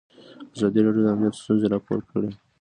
ازادي راډیو د امنیت ستونزې راپور کړي.